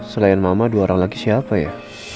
selain mama dua orang lagi siapa ya